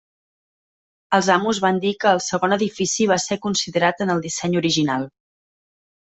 Els amos van dir que el segon edifici va ser considerat en el disseny original.